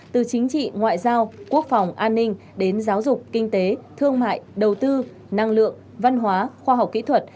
từ chính trị ngoại giao quốc phòng an ninh đến giáo dục kinh tế thương mại đầu tư năng lượng văn hóa khoa học kỹ thuật